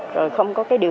rồi không có cái điều